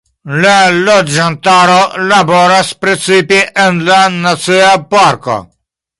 La loĝantaro laboras precipe en la nacia parko.